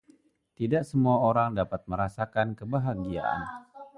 Tidak semua orang dapat merasakan kebahagiaan.